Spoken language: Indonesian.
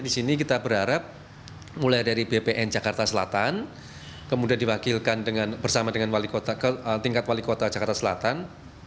di sini kita berharap mulai dari bpn jakarta selatan kemudian diwakilkan bersama dengan tingkat wali kota jakarta selatan